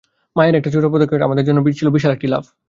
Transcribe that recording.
মায়ের একটা ছোট পদক্ষেপ আমাদের জন্য ছিল একটা বিশাল লাফ।